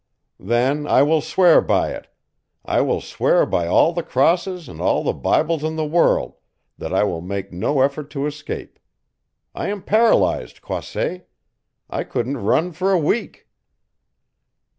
"Then I will swear by it I will swear by all the crosses and all the Bibles in the world that I will make no effort to escape. I am paralyzed, Croisset! I couldn't run for a week!"